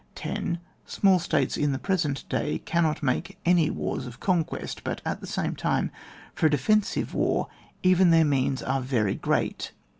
10. Small states, in the present day, cannot make any wars of conquest ; but, at the same time, for a defensive war, even their means are very great.